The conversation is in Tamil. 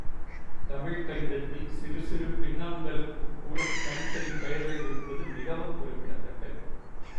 தமிழ்க் கணிதத்தில் சிறு சிறு பின்னங்களுக்குக்கூடத் தனித்தனிப் பெயர்கள் இருப்பது மிகவும் குறிப்பிடத்தக்கது.